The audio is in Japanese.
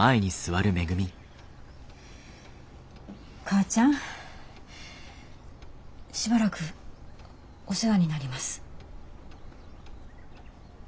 母ちゃんしばらくお世話になります。